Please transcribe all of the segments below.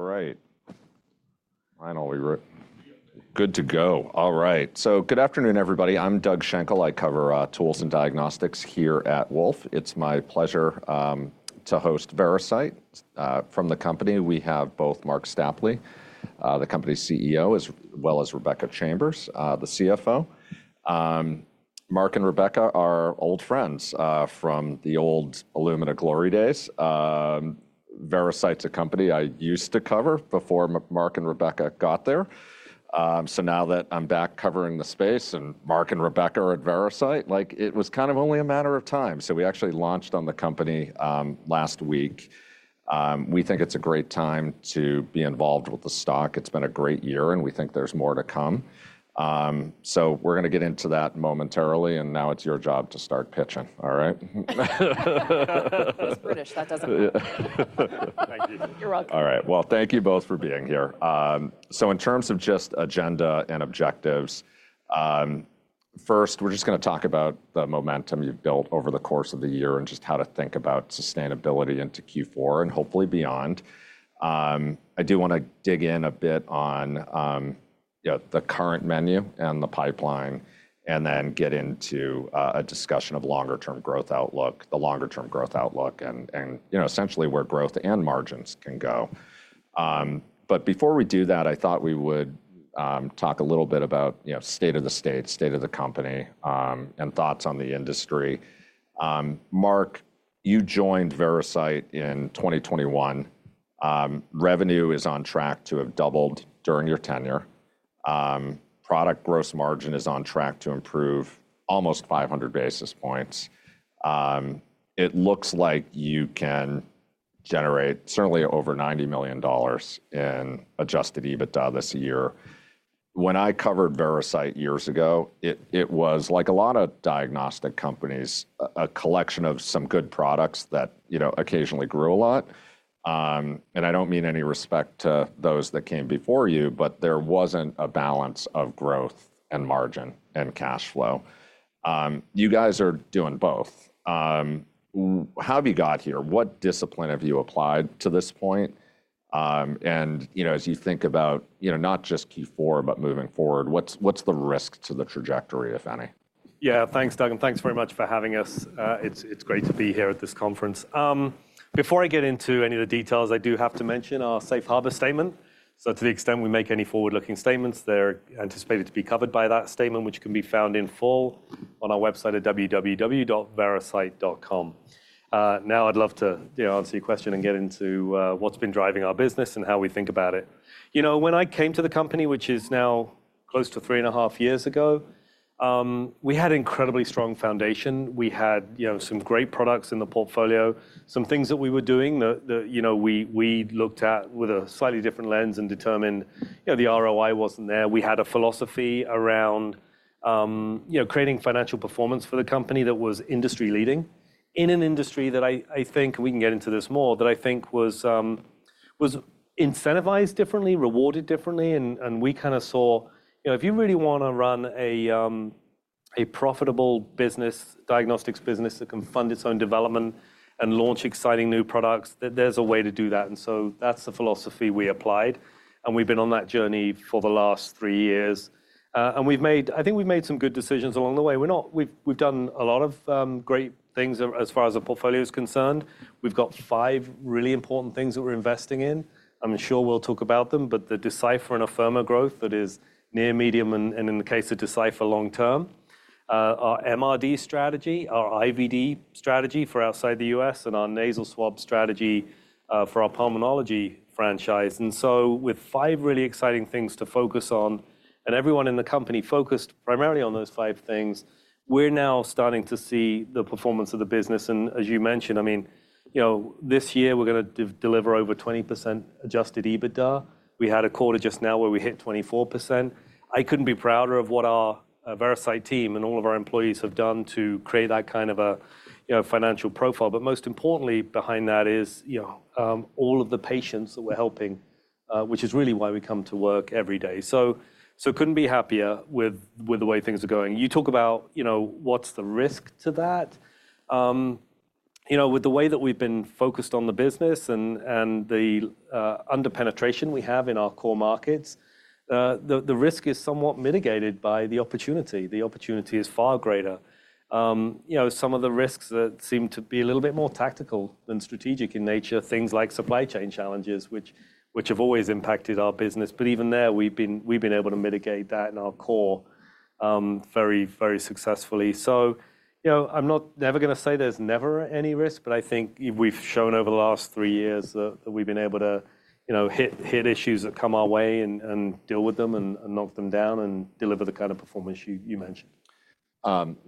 All right. Finally, we're good to go. All right. So good afternoon, everybody. I'm Doug Schenkel. I cover tools and diagnostics here at Wolfe. It's my pleasure to host Veracyte. From the company, we have both Marc Stapley, the company's CEO, as well as Rebecca Chambers, the CFO. Marc and Rebecca are old friends from the old Illumina glory days. Veracyte's a company I used to cover before Marc and Rebecca got there. So now that I'm back covering the space and Marc and Rebecca are at Veracyte, it was kind of only a matter of time. So we actually launched on the company last week. We think it's a great time to be involved with the stock. It's been a great year, and we think there's more to come. So we're going to get into that momentarily. And now it's your job to start pitching. All right. That's British. That doesn't work. Thank you. You're welcome. All right. Well, thank you both for being here. So in terms of just agenda and objectives, first, we're just going to talk about the momentum you've built over the course of the year and just how to think about sustainability into Q4 and hopefully beyond. I do want to dig in a bit on the current menu and the pipeline, and then get into a discussion of longer-term growth outlook, the longer-term growth outlook, and essentially where growth and margins can go. But before we do that, I thought we would talk a little bit about state of the state, state of the company, and thoughts on the industry. Marc, you joined Veracyte in 2021. Revenue is on track to have doubled during your tenure. Product gross margin is on track to improve almost 500 basis points. It looks like you can generate certainly over $90 million in Adjusted EBITDA this year. When I covered Veracyte years ago, it was like a lot of diagnostic companies, a collection of some good products that occasionally grew a lot. And I don't mean any disrespect to those that came before you, but there wasn't a balance of growth and margin and cash flow. You guys are doing both. How have you got here? What discipline have you applied to this point? And as you think about not just Q4, but moving forward, what's the risk to the trajectory, if any? Yeah, thanks, Doug, and thanks very much for having us. It's great to be here at this conference. Before I get into any of the details, I do have to mention our safe harbor statement, so to the extent we make any forward-looking statements, they're anticipated to be covered by that statement, which can be found in full on our website at www.veracyte.com. Now I'd love to answer your question and get into what's been driving our business and how we think about it. When I came to the company, which is now close to three and a half years ago, we had an incredibly strong foundation. We had some great products in the portfolio, some things that we were doing that we looked at with a slightly different lens and determined the ROI wasn't there. We had a philosophy around creating financial performance for the company that was industry leading in an industry that I think, and we can get into this more, that I think was incentivized differently, rewarded differently, and we kind of saw, if you really want to run a profitable business, diagnostics business that can fund its own development and launch exciting new products, there's a way to do that, and so that's the philosophy we applied, and we've been on that journey for the last three years, and I think we've made some good decisions along the way. We've done a lot of great things as far as the portfolio is concerned. We've got five really important things that we're investing in. I'm sure we'll talk about them, but the Decipher and Afirma growth that is near-term, medium- and, in the case of Decipher, long-term, our MRD strategy, our IVD strategy for outside the U.S., and our nasal swab strategy for our pulmonology franchise, and so with five really exciting things to focus on, and everyone in the company focused primarily on those five things, we're now starting to see the performance of the business, and as you mentioned, I mean, this year we're going to deliver over 20% Adjusted EBITDA. We had a quarter just now where we hit 24%. I couldn't be prouder of what our Veracyte team and all of our employees have done to create that kind of a financial profile, but most importantly, behind that is all of the patients that we're helping, which is really why we come to work every day. I couldn't be happier with the way things are going. You talk about what's the risk to that. With the way that we've been focused on the business and the under-penetration we have in our core markets, the risk is somewhat mitigated by the opportunity. The opportunity is far greater. Some of the risks that seem to be a little bit more tactical than strategic in nature, things like supply chain challenges, which have always impacted our business. But even there, we've been able to mitigate that in our core very, very successfully. I'm never going to say there's never any risk, but I think we've shown over the last three years that we've been able to hit issues that come our way and deal with them and knock them down and deliver the kind of performance you mentioned.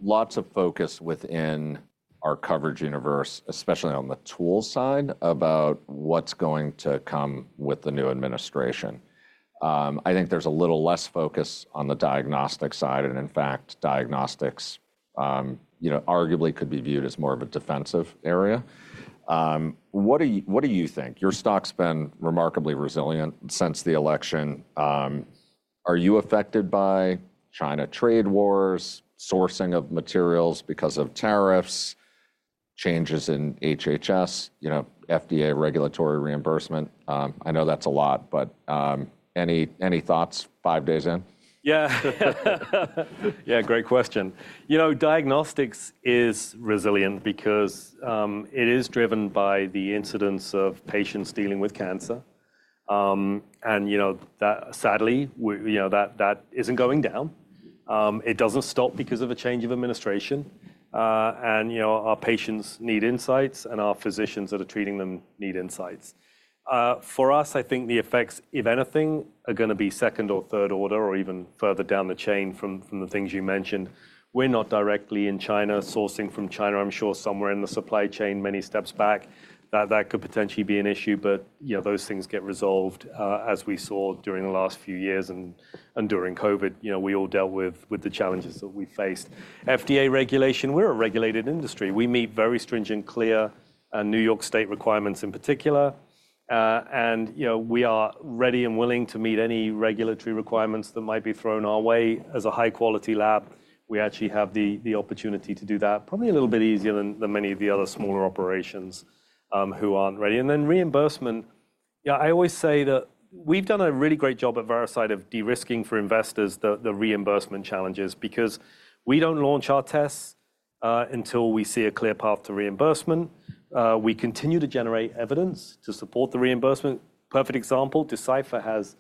Lots of focus within our coverage universe, especially on the tools side, about what's going to come with the new administration. I think there's a little less focus on the diagnostic side, and in fact, diagnostics arguably could be viewed as more of a defensive area. What do you think? Your stock's been remarkably resilient since the election. Are you affected by China trade wars, sourcing of materials because of tariffs, changes in HHS, FDA regulatory reimbursement? I know that's a lot, but any thoughts five days in? Yeah. Yeah, great question. Diagnostics is resilient because it is driven by the incidence of patients dealing with cancer. And sadly, that isn't going down. It doesn't stop because of a change of administration. And our patients need insights, and our physicians that are treating them need insights. For us, I think the effects, if anything, are going to be second or third order or even further down the chain from the things you mentioned. We're not directly in China sourcing from China. I'm sure somewhere in the supply chain many steps back, that could potentially be an issue. But those things get resolved, as we saw during the last few years and during COVID. We all dealt with the challenges that we faced. FDA regulation, we're a regulated industry. We meet very stringent clear New York State requirements in particular. We are ready and willing to meet any regulatory requirements that might be thrown our way. As a high-quality lab, we actually have the opportunity to do that probably a little bit easier than many of the other smaller operations who aren't ready. And then reimbursement, I always say that we've done a really great job at Veracyte of de-risking for investors the reimbursement challenges because we don't launch our tests until we see a clear path to reimbursement. We continue to generate evidence to support the reimbursement. Perfect example, Decipher has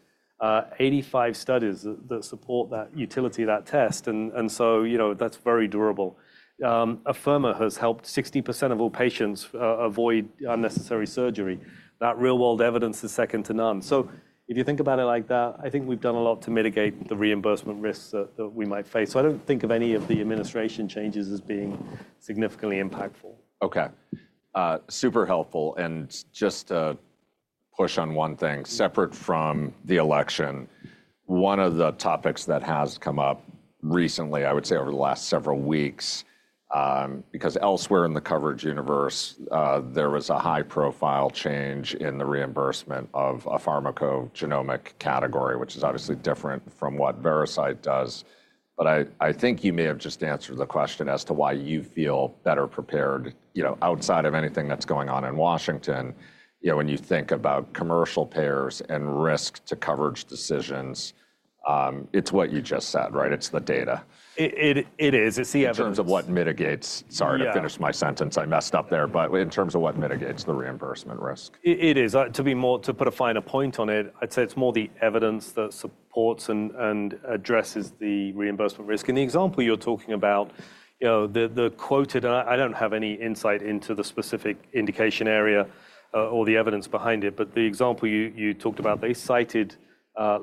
85 studies that support that utility of that test. And so that's very durable. Afirma has helped 60% of all patients avoid unnecessary surgery. That real-world evidence is second to none. So if you think about it like that, I think we've done a lot to mitigate the reimbursement risks that we might face. So I don't think of any of the administration changes as being significantly impactful. OK. Super helpful. And just to push on one thing, separate from the election, one of the topics that has come up recently, I would say over the last several weeks, because elsewhere in the coverage universe, there was a high-profile change in the reimbursement of a pharmacogenomic category, which is obviously different from what Veracyte does. But I think you may have just answered the question as to why you feel better prepared outside of anything that's going on in Washington. When you think about commercial payers and risk to coverage decisions, it's what you just said, right? It's the data. It is. It's the evidence. In terms of what mitigates, sorry. I finished my sentence. I messed up there. But in terms of what mitigates the reimbursement risk. It is. To put a finer point on it, I'd say it's more the evidence that supports and addresses the reimbursement risk. And the example you're talking about, the quote, I don't have any insight into the specific indication area or the evidence behind it. But the example you talked about, they cited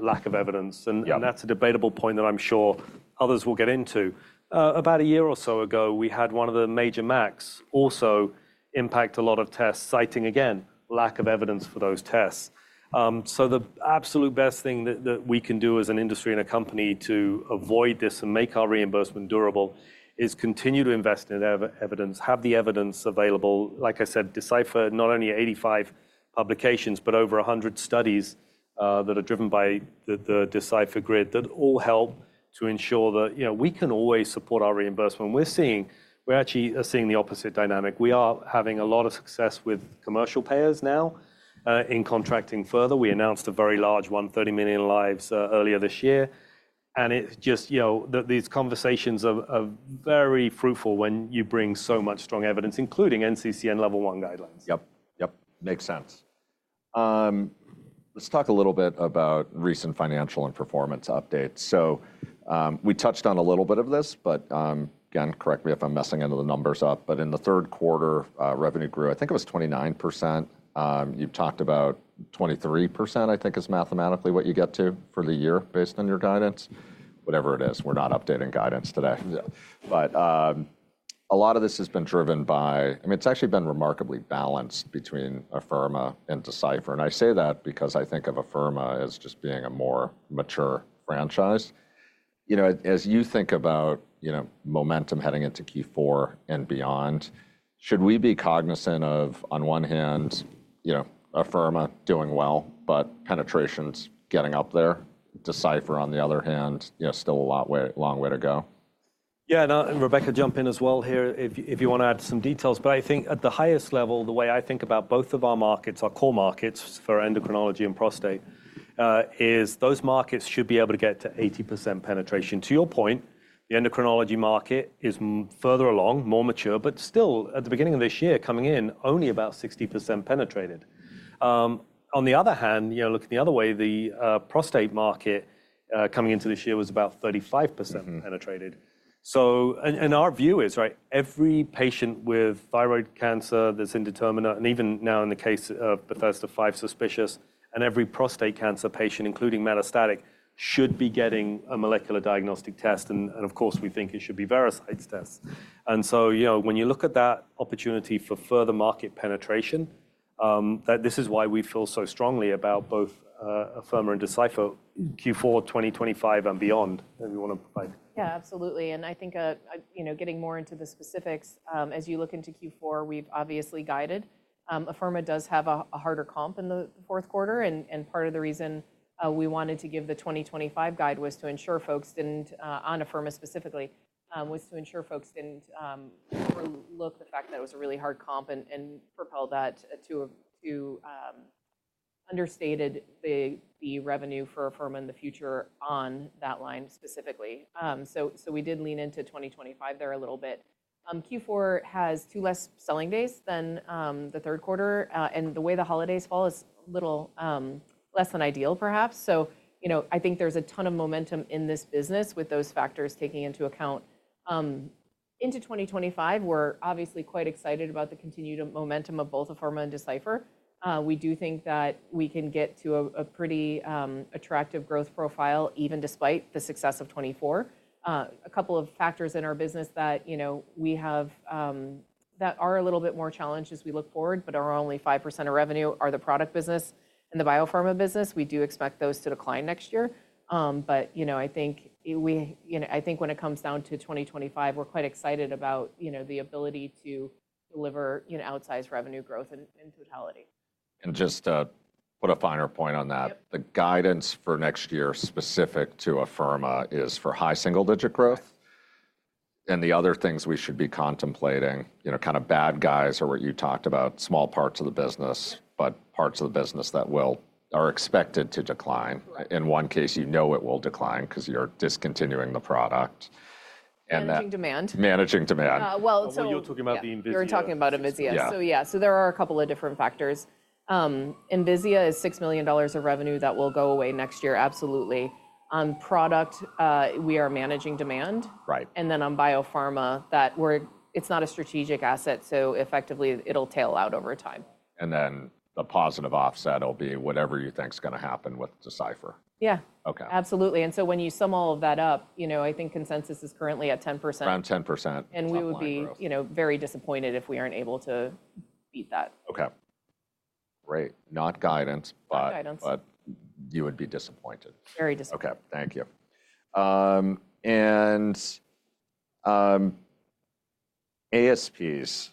lack of evidence. And that's a debatable point that I'm sure others will get into. About a year or so ago, we had one of the major MACs also impact a lot of tests, citing again, lack of evidence for those tests. So the absolute best thing that we can do as an industry and a company to avoid this and make our reimbursement durable is continue to invest in evidence, have the evidence available. Like I said, Decipher, not only 85 publications, but over 100 studies that are driven by the Decipher GRID that all help to ensure that we can always support our reimbursement. We're actually seeing the opposite dynamic. We are having a lot of success with commercial payers now in contracting further. We announced a very large one, 30 million lives earlier this year. And it's just that these conversations are very fruitful when you bring so much strong evidence, including NCCN level one guidelines. Yep. Yep. Makes sense. Let's talk a little bit about recent financial and performance updates. So we touched on a little bit of this, but again, correct me if I'm messing up the numbers, but in the Q3 revenue grew, I think it was 29%. You've talked about 23%, I think, is mathematically what you get to for the year based on your guidance. Whatever it is, we're not updating guidance today, but a lot of this has been driven by, I mean, it's actually been remarkably balanced between Afirma and Decipher, and I say that because I think of Afirma as just being a more mature franchise. As you think about momentum heading into Q4 and beyond, should we be cognizant of, on one hand, Afirma doing well, but penetrations getting up there? Decipher, on the other hand, still a long way to go. Yeah. And Rebecca, jump in as well here if you want to add some details. But I think at the highest level, the way I think about both of our markets, our core markets for endocrinology and prostate, is those markets should be able to get to 80% penetration. To your point, the endocrinology market is further along, more mature, but still, at the beginning of this year, coming in, only about 60% penetrated. On the other hand, looking the other way, the prostate market coming into this year was about 35% penetrated. And our view is, every patient with thyroid cancer that's indeterminate, and even now in the case of Bethesda V suspicious, and every prostate cancer patient, including metastatic, should be getting a molecular diagnostic test. And of course, we think it should be Veracyte's test. And so when you look at that opportunity for further market penetration, this is why we feel so strongly about both Afirma and Decipher Q4 2025 and beyond. If you want to. Yeah, absolutely. And I think getting more into the specifics, as you look into Q4, we've obviously guided. Afirma does have a harder comp in the Q4. And part of the reason we wanted to give the 2025 guide was to ensure folks didn't, on Afirma specifically, overlook the fact that it was a really hard comp and propelled that to understated the revenue for Afirma in the future on that line specifically. So we did lean into 2025 there a little bit. Q4 has two less selling days than the Q3. And the way the holidays fall is a little less than ideal, perhaps. So I think there's a ton of momentum in this business with those factors taking into account. Into 2025, we're obviously quite excited about the continued momentum of both Afirma and Decipher. We do think that we can get to a pretty attractive growth profile even despite the success of 2024. A couple of factors in our business that we have that are a little bit more challenged as we look forward, but are only 5% of revenue, are the product business and the biopharma business. We do expect those to decline next year. But I think when it comes down to 2025, we're quite excited about the ability to deliver outsized revenue growth in totality. And just to put a finer point on that, the guidance for next year specific to Afirma is for high single-digit growth. And the other things we should be contemplating, kind of bad guys are what you talked about, small parts of the business, but parts of the business that are expected to decline. In one case, you know it will decline because you're discontinuing the product. Managing demand. Managing demand. You were talking about the Envisia. You were talking about Envisia. So yeah, so there are a couple of different factors. Envisia is $6 million of revenue that will go away next year, absolutely. On product, we are managing demand. And then on biopharma, it is not a strategic asset. So effectively, it will tail out over time. Then the positive offset will be whatever you think is going to happen with Decipher. Yeah. Absolutely. And so when you sum all of that up, I think consensus is currently at 10%. Around 10%. We would be very disappointed if we aren't able to beat that. OK. Great. Not guidance, but you would be disappointed. Very disappointed. OK. Thank you. And ASPs,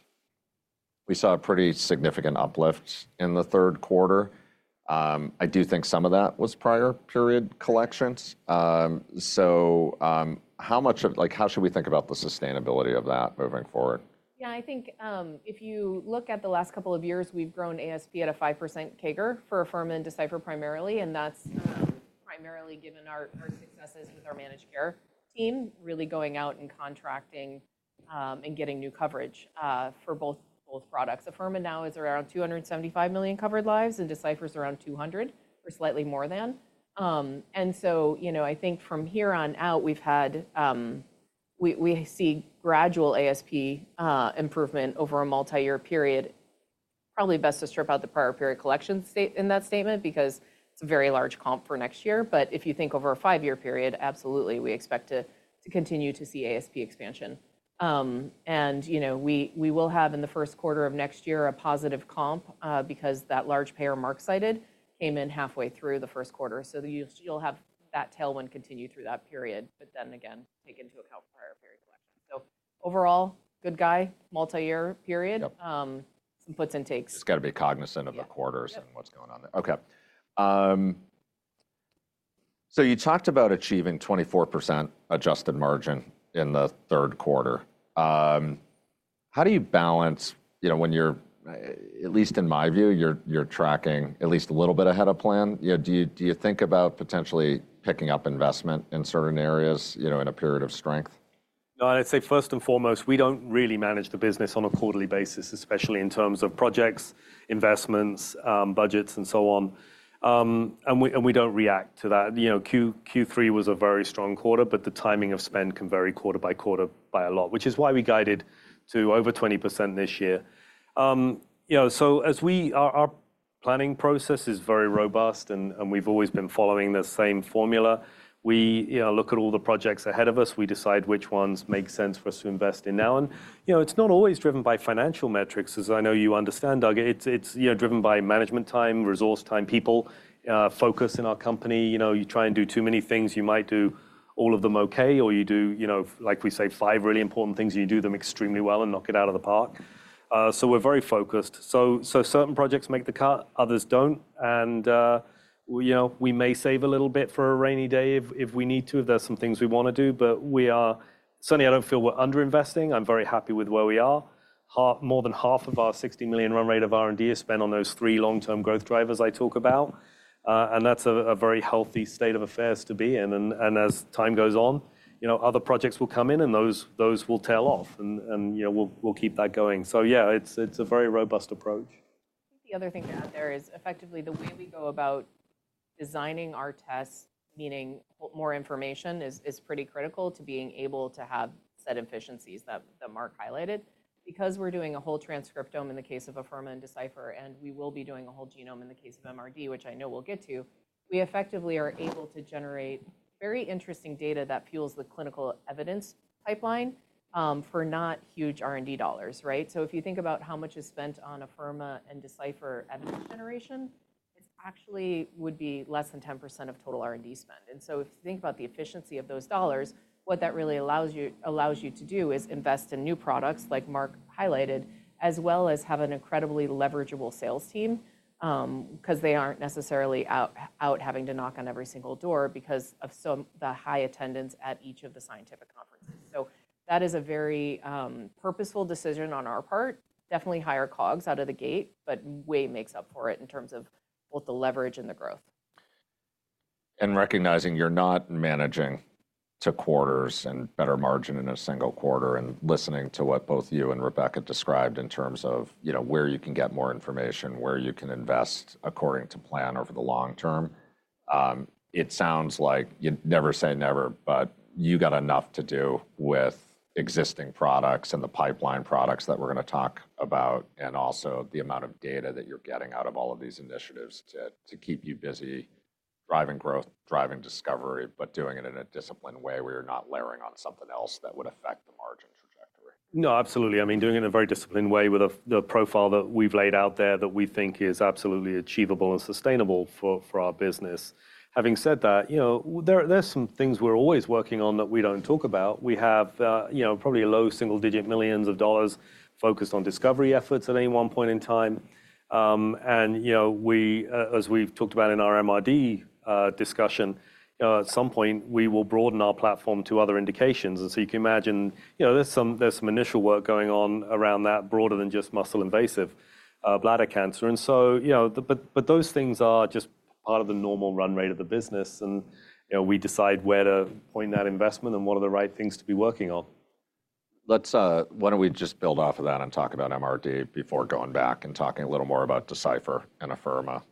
we saw a pretty significant uplift in the Q3. I do think some of that was prior period collections. So, how much of that? How should we think about the sustainability of that moving forward? Yeah. I think if you look at the last couple of years, we've grown ASP at a 5% CAGR for Afirma and Decipher primarily. And that's primarily given our successes with our managed care team, really going out and contracting and getting new coverage for both products. Afirma now is around 275 million covered lives, and Decipher is around 200 or slightly more than. And so I think from here on out, we see gradual ASP improvement over a multi-year period. Probably best to strip out the prior period collection in that statement because it's a very large comp for next year. But if you think over a five-year period, absolutely, we expect to continue to see ASP expansion. And we will have in the Q1 of next year a positive comp because that large payer market cited came in halfway through the Q1. So you'll have that tailwind continue through that period, but then again, take into account prior period collection. So overall, good growth, multi-year period, some puts and takes. Just got to be cognizant of the quarters and what's going on there. OK. So you talked about achieving 24% adjusted margin in the Q3. How do you balance when you're, at least in my view, you're tracking at least a little bit ahead of plan? Do you think about potentially picking up investment in certain areas in a period of strength? No. I'd say first and foremost, we don't really manage the business on a quarterly basis, especially in terms of projects, investments, budgets, and so on. And we don't react to that. Q3 was a very strong quarter, but the timing of spend can vary quarter by quarter by a lot, which is why we guided to over 20% this year. So our planning process is very robust, and we've always been following the same formula. We look at all the projects ahead of us. We decide which ones make sense for us to invest in now. And it's not always driven by financial metrics, as I know you understand, Doug. It's driven by management time, resource time, people, focus in our company. You try and do too many things. You might do all of them OK, or you do, like we say, five really important things, and you do them extremely well and knock it out of the park. We're very focused, so certain projects make the cut. Others don't. We may save a little bit for a rainy day if we need to, if there are some things we want to do. Certainly, I don't feel we're underinvesting. I'm very happy with where we are. More than half of our $60 million run rate of R&D is spent on those three long-term growth drivers I talk about. That's a very healthy state of affairs to be in. As time goes on, other projects will come in, and those will tail off. We'll keep that going. Yeah, it's a very robust approach. I think the other thing to add there is effectively the way we go about designing our tests, meaning more information, is pretty critical to being able to have said efficiencies that Marc highlighted. Because we're doing a whole transcriptome in the case of Afirma and Decipher, and we will be doing a whole genome in the case of MRD, which I know we'll get to, we effectively are able to generate very interesting data that fuels the clinical evidence pipeline for not huge R&D dollars. So if you think about how much is spent on Afirma and Decipher evidence generation, it actually would be less than 10% of total R&D spend. And so if you think about the efficiency of those dollars, what that really allows you to do is invest in new products, like Marc highlighted, as well as have an incredibly leverageable sales team because they aren't necessarily out having to knock on every single door because of the high attendance at each of the scientific conferences. So that is a very purposeful decision on our part. Definitely higher COGS out of the gate, but way makes up for it in terms of both the leverage and the growth. Recognizing you're not managing quarter to quarter and better margin in a single quarter and listening to what both you and Rebecca described in terms of where you can get more information, where you can invest according to plan over the long term, it sounds like you never say never, but you got enough to do with existing products and the pipeline products that we're going to talk about and also the amount of data that you're getting out of all of these initiatives to keep you busy driving growth, driving discovery, but doing it in a disciplined way where you're not layering on something else that would affect the margin trajectory. No. Absolutely. I mean, doing it in a very disciplined way with a profile that we've laid out there that we think is absolutely achievable and sustainable for our business. Having said that, there are some things we're always working on that we don't talk about. We have probably low single-digit millions of dollars focused on discovery efforts at any one point in time. And as we've talked about in our MRD discussion, at some point, we will broaden our platform to other indications. And so you can imagine there's some initial work going on around that broader than just muscle-invasive bladder cancer. But those things are just part of the normal run rate of the business. And we decide where to point that investment and what are the right things to be working on. Why don't we just build off of that and talk about MRD before going back and talking a little more about Decipher and Afirma?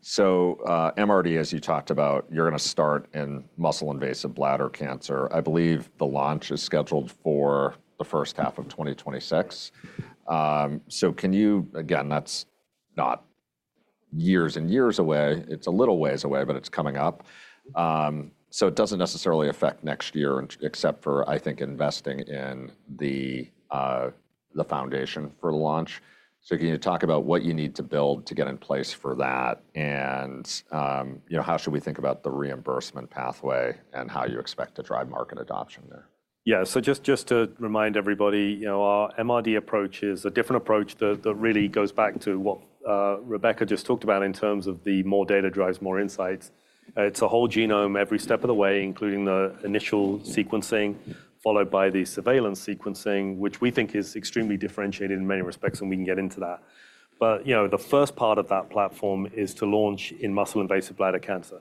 So MRD, as you talked about, you're going to start in muscle-invasive bladder cancer. I believe the launch is scheduled for the first half of 2026. So can you again, that's not years and years away. It's a little ways away, but it's coming up. So it doesn't necessarily affect next year, except for, I think, investing in the foundation for the launch. So can you talk about what you need to build to get in place for that? And how should we think about the reimbursement pathway and how you expect to drive market adoption there? Yeah. So just to remind everybody, our MRD approach is a different approach that really goes back to what Rebecca just talked about in terms of the more data drives more insights. It's a whole genome every step of the way, including the initial sequencing, followed by the surveillance sequencing, which we think is extremely differentiated in many respects. And we can get into that. But the first part of that platform is to launch in muscle-invasive bladder cancer.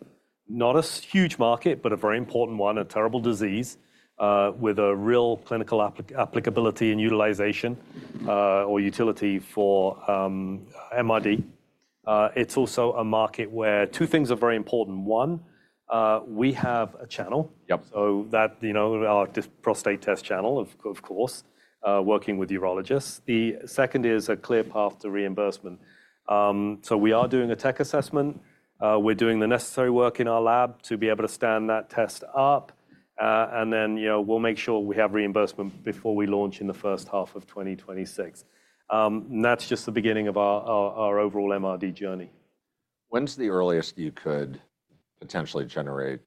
Not a huge market, but a very important one, a terrible disease with a real clinical applicability and utilization or utility for MRD. It's also a market where two things are very important. One, we have a channel. So that's our prostate test channel, of course, working with urologists. The second is a clear path to reimbursement. So we are doing a tech assessment. We're doing the necessary work in our lab to be able to stand that test up. And then we'll make sure we have reimbursement before we launch in the first half of 2026. And that's just the beginning of our overall MRD journey. When's the earliest you could potentially generate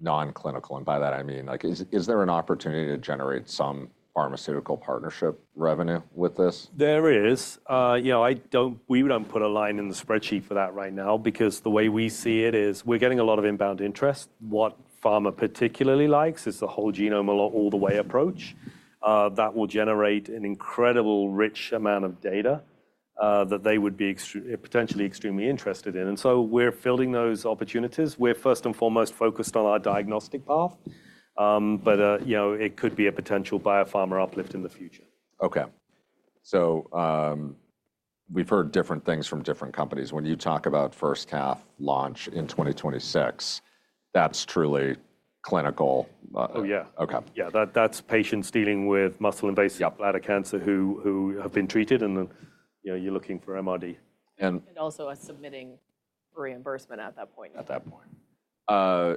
non-clinical? And by that, I mean, is there an opportunity to generate some pharmaceutical partnership revenue with this? There is. We don't put a line in the spreadsheet for that right now because the way we see it is we're getting a lot of inbound interest. What Pharma particularly likes is the whole genome all the way approach. That will generate an incredible rich amount of data that they would be potentially extremely interested in. And so we're filling those opportunities. We're first and foremost focused on our diagnostic path. But it could be a potential biopharma uplift in the future. OK, so we've heard different things from different companies. When you talk about first half launch in 2026, that's truly clinical. Oh, yeah. Yeah. That's patients dealing with muscle-invasive bladder cancer who have been treated, and then you're looking for MRD. Also submitting reimbursement at that point. At that point.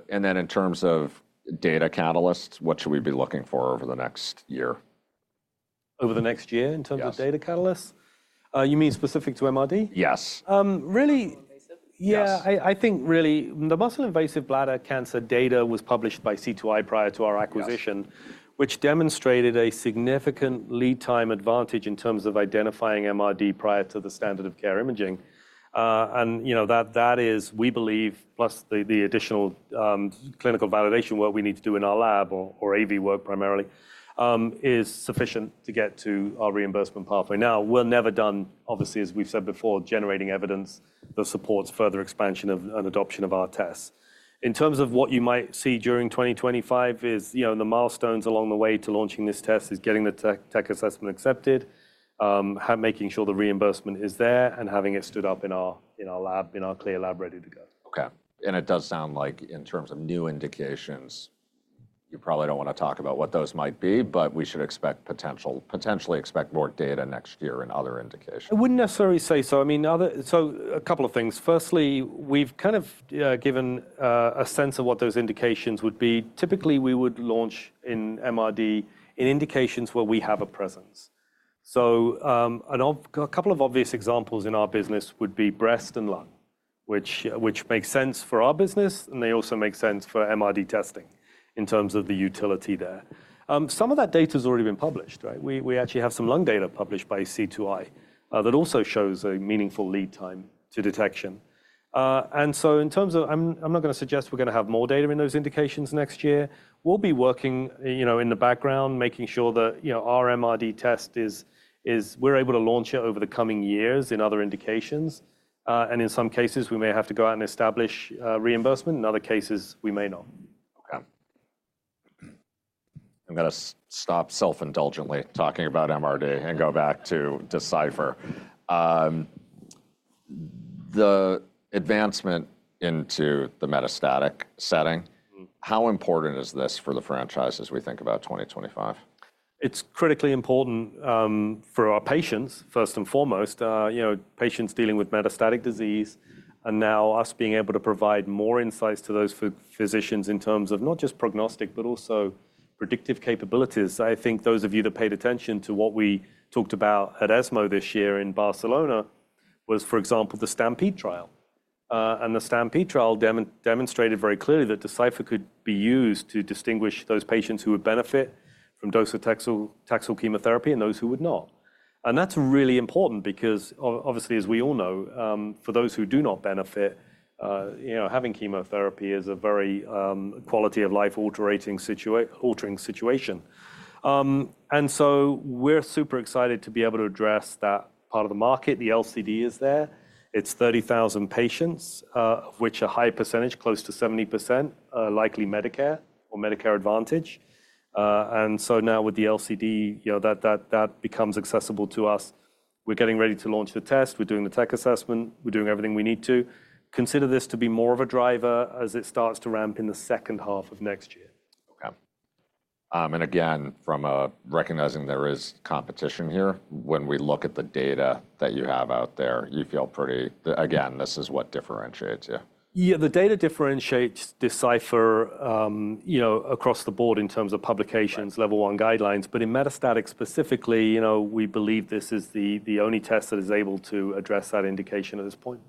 And then in terms of data catalysts, what should we be looking for over the next year? Over the next year in terms of data catalysts? You mean specific to MRD? Yes. Really? Invasive? Yeah. I think really the muscle invasive bladder cancer data was published by C2i prior to our acquisition, which demonstrated a significant lead time advantage in terms of identifying MRD prior to the standard of care imaging, and that is, we believe, plus the additional clinical validation work we need to do in our lab, or IVD work primarily, is sufficient to get to our reimbursement pathway. Now, we'll never be done, obviously, as we've said before, generating evidence that supports further expansion and adoption of our tests. In terms of what you might see during 2025, the milestones along the way to launching this test is getting the tech assessment accepted, making sure the reimbursement is there, and having it stood up in our lab, in our CLIA lab ready to go. OK. And it does sound like in terms of new indications, you probably don't want to talk about what those might be, but we should potentially expect more data next year in other indications. I wouldn't necessarily say so. I mean, so a couple of things. Firstly, we've kind of given a sense of what those indications would be. Typically, we would launch in MRD in indications where we have a presence. So a couple of obvious examples in our business would be breast and lung, which makes sense for our business. And they also make sense for MRD testing in terms of the utility there. Some of that data has already been published. We actually have some lung data published by C2i that also shows a meaningful lead time to detection. And so, in terms of, I'm not going to suggest we're going to have more data in those indications next year. We'll be working in the background, making sure that our MRD test is, we're able to launch it over the coming years in other indications. In some cases, we may have to go out and establish reimbursement. In other cases, we may not. OK. I'm going to stop self-indulgently talking about MRD and go back to Decipher. The advancement into the metastatic setting, how important is this for the franchise as we think about 2025? It's critically important for our patients, first and foremost, patients dealing with metastatic disease. And now us being able to provide more insights to those physicians in terms of not just prognostic, but also predictive capabilities. I think those of you that paid attention to what we talked about at ESMO this year in Barcelona was, for example, the STAMPEDE trial. And the STAMPEDE trial demonstrated very clearly that Decipher could be used to distinguish those patients who would benefit from docetaxel chemotherapy and those who would not. And that's really important because, obviously, as we all know, for those who do not benefit, having chemotherapy is a very quality of life-altering situation. And so we're super excited to be able to address that part of the market. The LCD is there. It's 30,000 patients, which are a high percentage, close to 70%, likely Medicare or Medicare Advantage. And so now with the LCD, that becomes accessible to us. We're getting ready to launch the test. We're doing the tech assessment. We're doing everything we need to. Consider this to be more of a driver as it starts to ramp in the second half of next year. OK. And again, recognizing there is competition here, when we look at the data that you have out there, you feel pretty again, this is what differentiates you. Yeah. The data differentiates Decipher across the board in terms of publications, level one guidelines. But in metastatic specifically, we believe this is the only test that is able to address that indication at this point.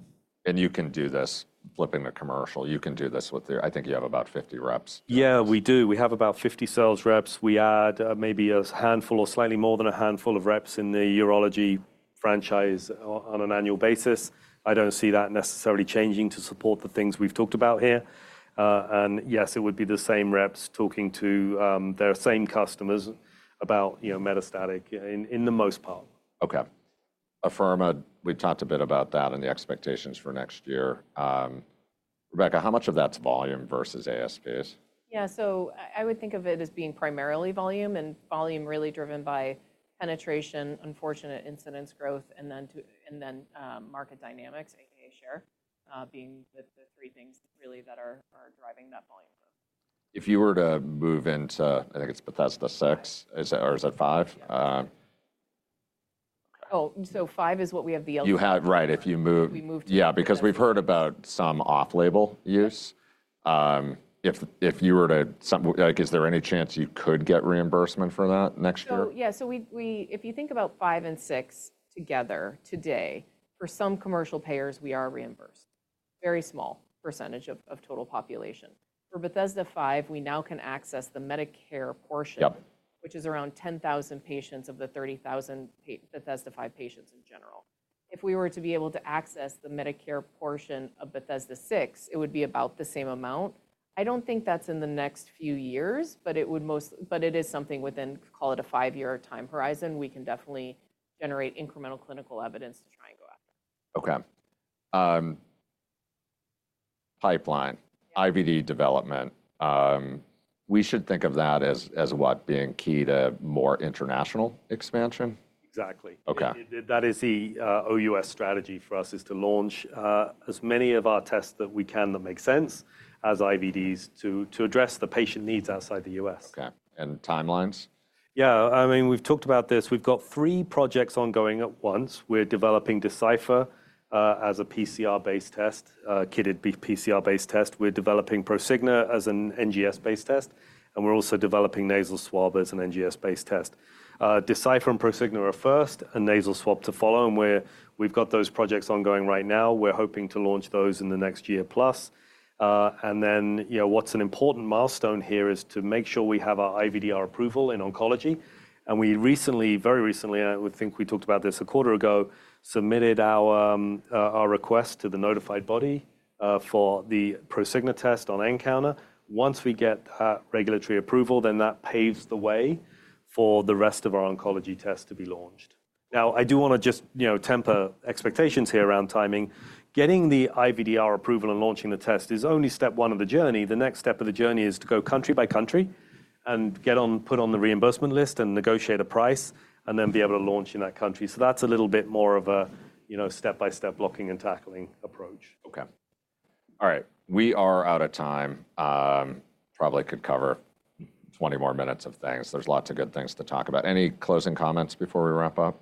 You can do this building a commercial. You can do this with the, I think, you have about 50 reps. Yeah, we do. We have about 50 sales reps. We add maybe a handful or slightly more than a handful of reps in the urology franchise on an annual basis. I don't see that necessarily changing to support the things we've talked about here. And yes, it would be the same reps talking to their same customers about metastatic for the most part. OK. Afirma, we've talked a bit about that and the expectations for next year. Rebecca, how much of that's volume versus ASPs? Yeah. So I would think of it as being primarily volume and volume really driven by penetration, unfortunate incidence growth, and then market dynamics, AKA share, being the three things really that are driving that volume. If you were to move into, I think it's Bethesda VI, or is it V? Oh, so five is what we have. You had right. If you moved. We moved to. Yeah, because we've heard about some off-label use. Is there any chance you could get reimbursement for that next year? So yeah. So if you think about 5 and 6 together today, for some commercial payers, we are reimbursed, very small percentage of total population. For Bethesda V, we now can access the Medicare portion, which is around 10,000 patients of the 30,000 Bethesda V patients in general. If we were to be able to access the Medicare portion of Bethesda VI, it would be about the same amount. I don't think that's in the next few years, but it is something within, call it a five-year time horizon. We can definitely generate incremental clinical evidence to try and go after. OK. Pipeline, IVD development, we should think of that as what being key to more international expansion? Exactly. That is the OUS strategy for us, is to launch as many of our tests that we can that make sense as IVDs to address the patient needs outside the U.S. OK, and timelines? Yeah. I mean, we've talked about this. We've got three projects ongoing at once. We're developing Decipher as a PCR-based test, kitted PCR-based test. We're developing Prosigna as an NGS-based test. And we're also developing nasal swab as an NGS-based test. Decipher and Prosigna are first, and nasal swab to follow. And we've got those projects ongoing right now. We're hoping to launch those in the next year plus. And then what's an important milestone here is to make sure we have our IVDR approval in oncology. And we recently, very recently, I think we talked about this a quarter ago, submitted our request to the notified body for the Prosigna test on nCounter. Once we get regulatory approval, then that paves the way for the rest of our oncology tests to be launched. Now, I do want to just temper expectations here around timing. Getting the IVDR approval and launching the test is only step one of the journey. The next step of the journey is to go country by country and get on, put on the reimbursement list and negotiate a price, and then be able to launch in that country. So that's a little bit more of a step-by-step blocking and tackling approach. OK. All right. We are out of time. Probably could cover 20 more minutes of things. There's lots of good things to talk about. Any closing comments before we wrap up?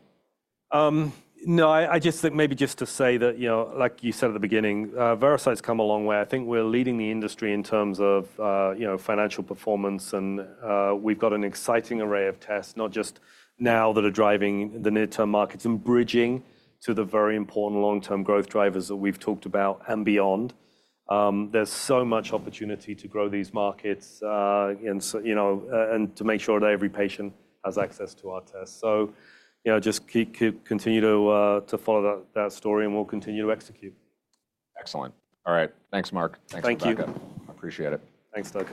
No. I just think maybe just to say that, like you said at the beginning, Veracyte's come a long way. I think we're leading the industry in terms of financial performance, and we've got an exciting array of tests, not just now that are driving the near-term markets and bridging to the very important long-term growth drivers that we've talked about and beyond. There's so much opportunity to grow these markets and to make sure that every patient has access to our tests, so just continue to follow that story, and we'll continue to execute. Excellent. All right. Thanks, Marc. Thanks, Rebecca. Thank you. Appreciate it. Thanks, Doug.